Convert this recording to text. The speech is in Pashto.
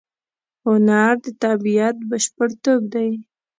هنر د طبیعت بشپړتوب دی.